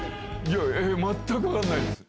えー、全く分からないです。